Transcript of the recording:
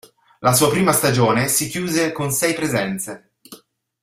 La sua prima stagione si chiuse con sei presenze.